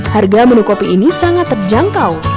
harga menu kopi ini sangat terjangkau